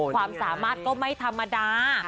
ความสามารถก็ไม่ธรรมดา